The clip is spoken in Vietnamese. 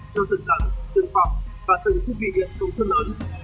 cho từng tầng từng phòng và từng thiết bị điện công suất lớn